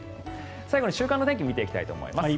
最後に週間の天気を見ていきたいと思います。